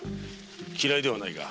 嫌いではないが。